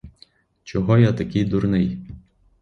Чого я такий дурний?!